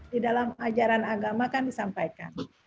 di dalam ajaran agama kan disampaikan